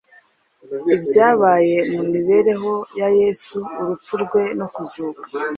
Ibyabaye mu mibereho ya Yesu, urupfu rwe no kuzuka,